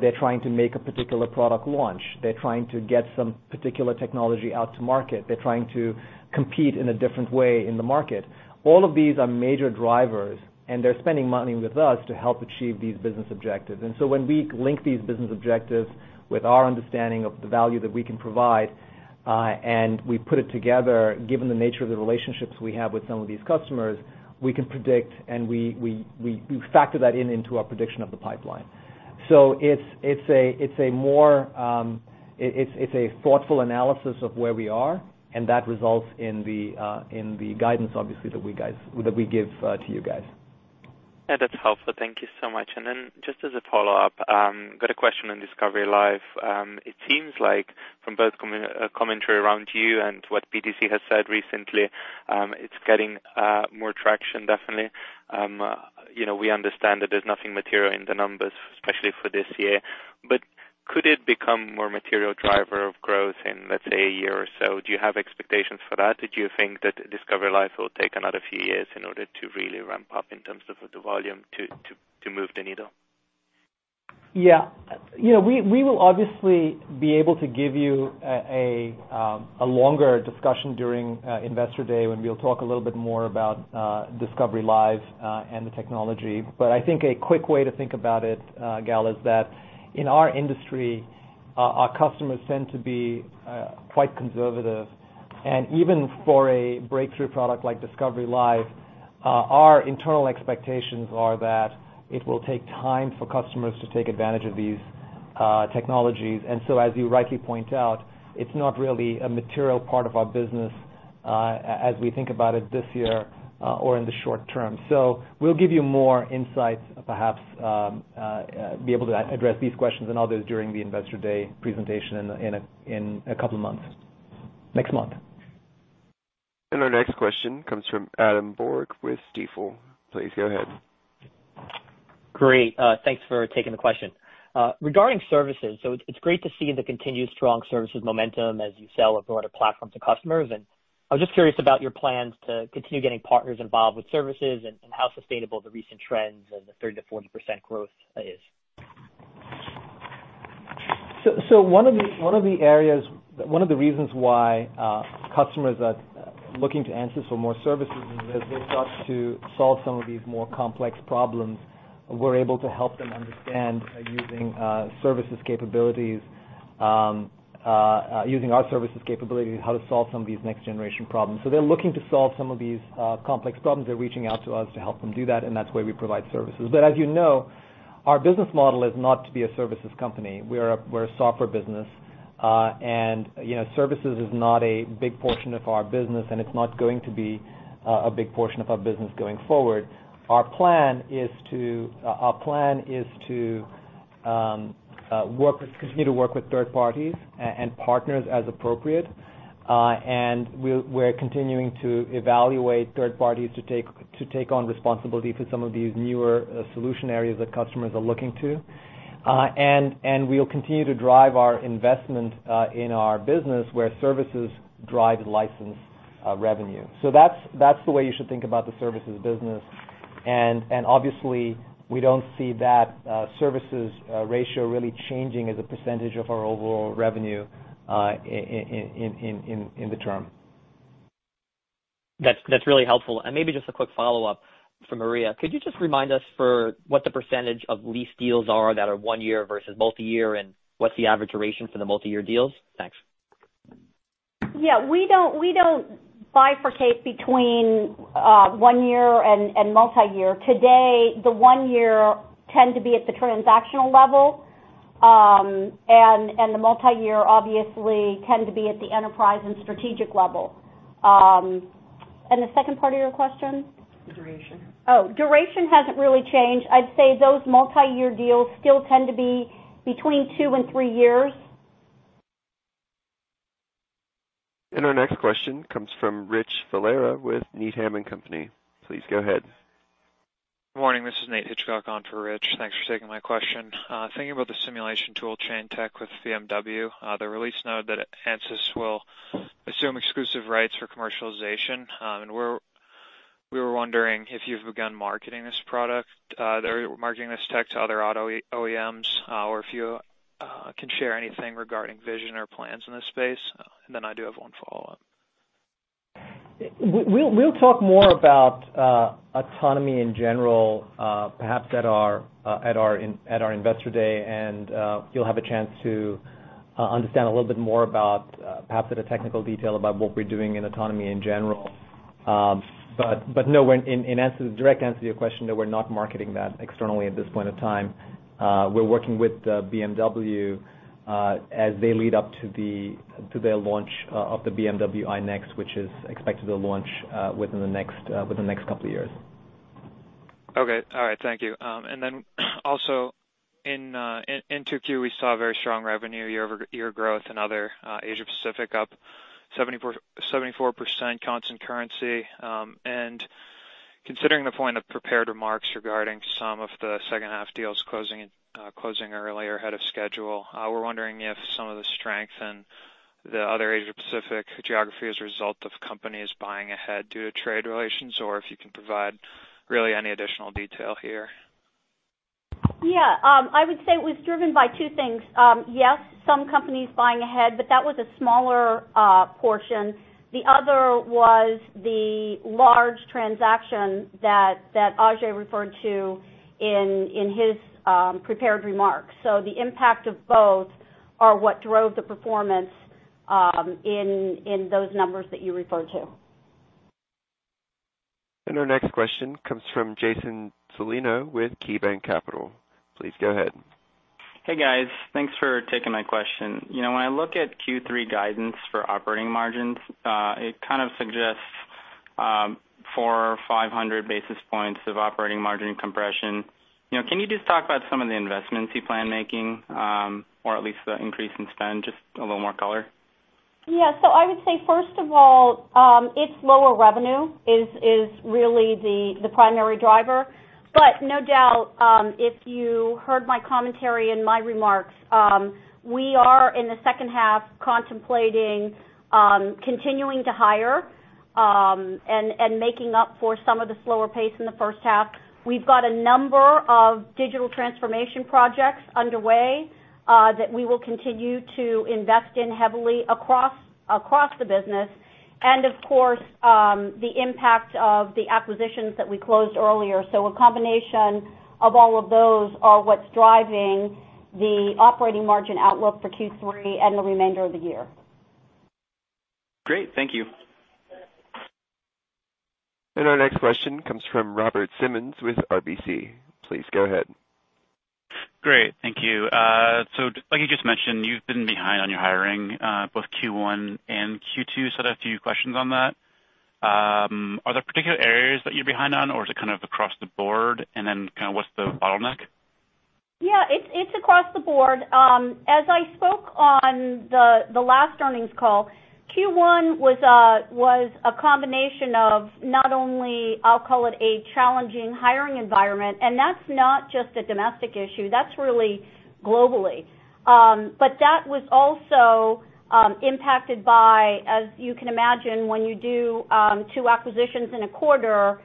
They're trying to make a particular product launch. They're trying to get some particular technology out to market. They're trying to compete in a different way in the market. All of these are major drivers, and they're spending money with us to help achieve these business objectives. When we link these business objectives with our understanding of the value that we can provide, and we put it together, given the nature of the relationships we have with some of these customers, we can predict, and we factor that in into our prediction of the pipeline. It's a thoughtful analysis of where we are, and that results in the guidance, obviously, that we give to you guys. That's helpful. Thank you so much. Just as a follow-up, got a question on Discovery Live. It seems like from both commentary around you and what PTC has said recently, it's getting more traction, definitely. We understand that there's nothing material in the numbers, especially for this year. Could it become more material driver of growth in, let's say, a year or so? Do you have expectations for that, or do you think that Discovery Live will take another few years in order to really ramp up in terms of the volume to move the needle? We will obviously be able to give you a longer discussion during Investor Day when we'll talk a little bit more about Discovery Live and the technology. I think a quick way to think about it, Gal, is that in our industry, our customers tend to be quite conservative. Even for a breakthrough product like Discovery Live, our internal expectations are that it will take time for customers to take advantage of these technologies. As you rightly point out, it's not really a material part of our business as we think about it this year or in the short term. We'll give you more insights, perhaps, be able to address these questions and others during the Investor Day presentation in a couple of months. Next month. Our next question comes from Adam Borg with Stifel. Please go ahead. Great. Thanks for taking the question. Regarding services, it's great to see the continued strong services momentum as you sell a broader platform to customers. I was just curious about your plans to continue getting partners involved with services and how sustainable the recent trends and the 30%-40% growth is. One of the reasons why customers are looking to ANSYS for more services is that they start to solve some of these more complex problems. We're able to help them understand using our services capabilities, how to solve some of these next-generation problems. They're looking to solve some of these complex problems. They're reaching out to us to help them do that, and that's why we provide services. As you know, our business model is not to be a services company. We're a software business. Services is not a big portion of our business, and it's not going to be a big portion of our business going forward. Our plan is to continue to work with third parties and partners as appropriate. We're continuing to evaluate third parties to take on responsibility for some of these newer solution areas that customers are looking to. We'll continue to drive our investment in our business where services drive license revenue. That's the way you should think about the services business. Obviously, we don't see that services ratio really changing as a percentage of our overall revenue in the term. That's really helpful. Maybe just a quick follow-up for Maria. Could you just remind us for what the percentage of lease deals are that are one year versus multi-year, and what's the average duration for the multi-year deals? Thanks. Yeah, we don't bifurcate between one year and multi-year. Today, the one year tend to be at the transactional level, and the multi-year obviously tend to be at the enterprise and strategic level. The second part of your question? Duration. Oh, duration hasn't really changed. I'd say those multi-year deals still tend to be between two and three years. Our next question comes from Richard Valera with Needham & Company. Please go ahead. Good morning. This is Nathaniel Hitchcock on for Rich. Thanks for taking my question. Thinking about the simulation tool chain tech with BMW, the release note that Ansys will assume exclusive rights for commercialization. We were wondering if you've begun marketing this product. If you can share anything regarding vision or plans in this space. I do have one follow-up. We'll talk more about autonomy in general, perhaps at our Investor Day, and you'll have a chance to understand a little bit more about perhaps at a technical detail about what we're doing in autonomy in general. No, in direct answer to your question, no, we're not marketing that externally at this point of time. We're working with BMW as they lead up to their launch of the BMW iNEXT, which is expected to launch within the next couple of years. Okay. All right. Thank you. Also in Q2, we saw very strong revenue year-over-year growth and other Asia Pacific up 74% constant currency. Considering the point of prepared remarks regarding some of the second-half deals closing earlier ahead of schedule, we're wondering if some of the strength in the other Asia Pacific geography is a result of companies buying ahead due to trade relations, or if you can provide really any additional detail here. Yeah. I would say it was driven by two things. Yes, some companies buying ahead, but that was a smaller portion. The other was the large transaction that Ajei referred to in his prepared remarks. The impact of both are what drove the performance in those numbers that you refer to. Our next question comes from Jason Celino with KeyBanc Capital. Please go ahead. Hey, guys. Thanks for taking my question. When I look at Q3 guidance for operating margins, it kind of suggests four or 500 basis points of operating margin compression. Can you just talk about some of the investments you plan making, or at least the increase in spend, just a little more color? Yeah. I would say, first of all, it's lower revenue is really the primary driver. No doubt, if you heard my commentary and my remarks, we are in the second half contemplating continuing to hire, and making up for some of the slower pace in the first half. We've got a number of digital transformation projects underway, that we will continue to invest in heavily across the business. Of course, the impact of the acquisitions that we closed earlier. A combination of all of those are what's driving the operating margin outlook for Q3 and the remainder of the year. Great. Thank you. Our next question comes from Robert Simmons with RBC. Please go ahead. Great. Thank you. I think you just mentioned you've been behind on your hiring, both Q1 and Q2, so I have a few questions on that. Are there particular areas that you're behind on, or is it kind of across the board? What's the bottleneck? Yeah. It's across the board. As I spoke on the last earnings call, Q1 was a combination of not only, I'll call it, a challenging hiring environment, and that's not just a domestic issue, that's really globally. That was also impacted by, as you can imagine, when you do two acquisitions in a quarter,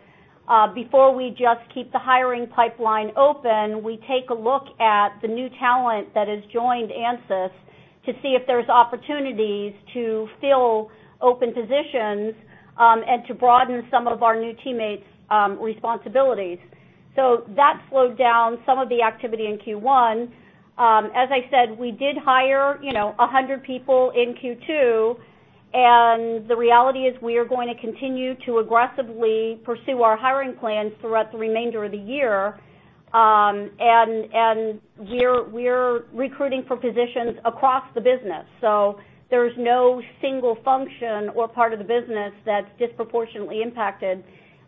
before we just keep the hiring pipeline open, we take a look at the new talent that has joined ANSYS to see if there's opportunities to fill open positions, and to broaden some of our new teammates' responsibilities. That slowed down some of the activity in Q1. As I said, we did hire 100 people in Q2, and the reality is we are going to continue to aggressively pursue our hiring plans throughout the remainder of the year. We're recruiting for positions across the business. There's no single function or part of the business that's disproportionately impacted.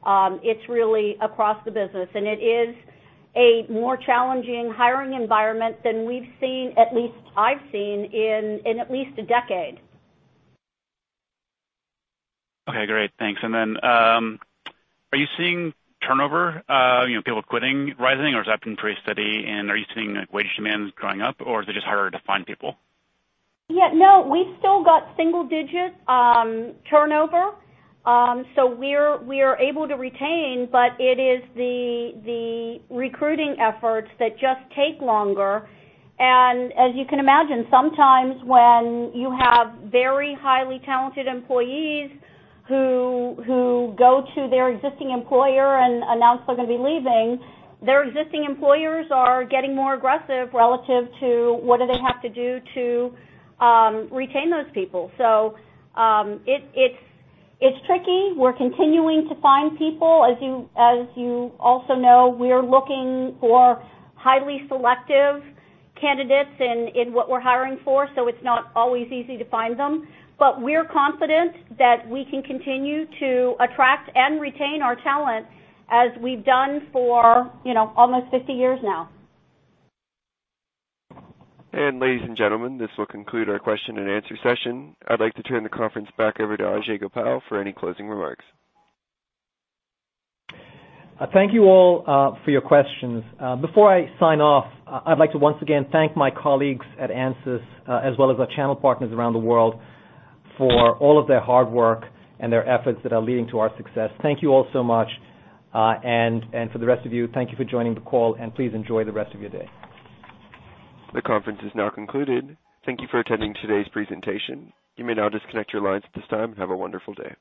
It's really across the business, and it is a more challenging hiring environment than we've seen, at least I've seen, in at least a decade. Okay, great. Thanks. Are you seeing turnover, people quitting rising, or has that been pretty steady, and are you seeing wage demands going up, or is it just harder to find people? Yeah. No, we've still got single-digit turnover. We're able to retain, but it is the recruiting efforts that just take longer. As you can imagine, sometimes when you have very highly talented employees who go to their existing employer and announce they're going to be leaving, their existing employers are getting more aggressive relative to what do they have to do to retain those people. It's tricky. We're continuing to find people. As you also know, we're looking for highly selective candidates in what we're hiring for, so it's not always easy to find them. We're confident that we can continue to attract and retain our talent as we've done for almost 50 years now. Ladies and gentlemen, this will conclude our question and answer session. I'd like to turn the conference back over to Ajei Gopal for any closing remarks. Thank you all for your questions. Before I sign off, I'd like to once again thank my colleagues at ANSYS, as well as our channel partners around the world, for all of their hard work and their efforts that are leading to our success. Thank you all so much. For the rest of you, thank you for joining the call, and please enjoy the rest of your day. The conference is now concluded. Thank you for attending today's presentation. You may now disconnect your lines at this time and have a wonderful day.